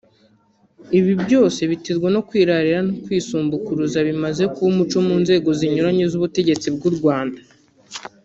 Ibi byose biterwa no kwirarira no kwisumbukuruza bimaze kuba umuco mu nzego zinyuranye z’ubutegetsi bw’u Rwanda